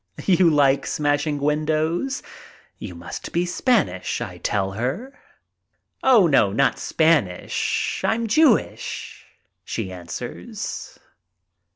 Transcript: "You like smashing windows! You must be Spanish," I tell her. "Oh no, not Spanish; I'm Jewish," she answers.